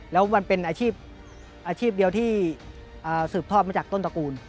แล้วมันเป็นอาชีพอาชีพเดียวที่สืบทอดมาจากต้นตระกูล